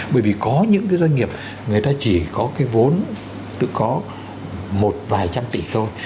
bởi vì có những cái doanh nghiệp người ta chỉ có cái vốn tự có một vài trăm tỷ thôi